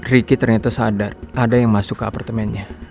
riki ternyata sadar ada yang masuk ke apartemennya